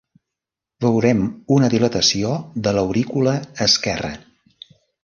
Veurem una dilatació de l'aurícula esquerra.